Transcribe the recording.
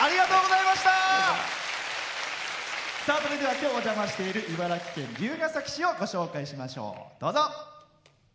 今日、お邪魔している茨城県龍ケ崎市をご紹介しましょう。